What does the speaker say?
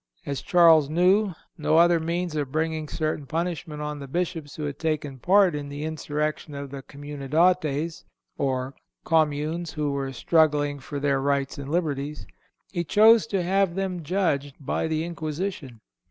As Charles knew no other means of bringing certain punishment on the Bishops who had taken part in the insurrection of the Communidades (or communes who were struggling for their rights and liberties), he chose to have them judged by the Inquisition....